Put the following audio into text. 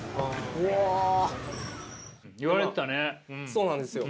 そうなんですよ。